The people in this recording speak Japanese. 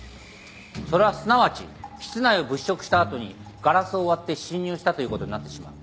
それはすなわち室内を物色したあとにガラスを割って侵入したという事になってしまう。